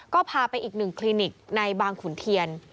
ก็พาไปอีกหนึ่งคลินิกในบางขุนเทียน